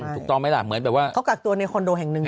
ถูกต้องไหมล่ะเหมือนแบบว่าเขากักตัวในคอนโดแห่งหนึ่ง